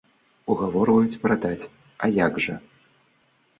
Угаворваюць прадаць, а як жа!